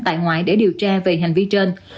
tại ngoại để điều tra về hành vi trên